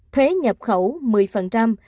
thuế nhập khẩu gần một mươi